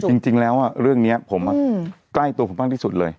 จริงแล้วเรื่องนี้ผมใกล้ตัวผมมากที่สุดเลย